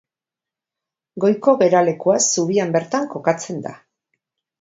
Goiko geralekua zubian bertan kokatzen da.